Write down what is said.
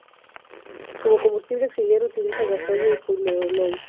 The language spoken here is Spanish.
Como combustible auxiliar utiliza gasóleo y fueloil.